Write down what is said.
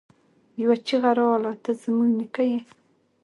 يوه چيغه راغله! ته زموږ نيکه يې!